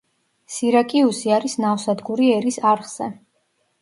სირაკიუსი არის ნავსადგური ერის არხზე.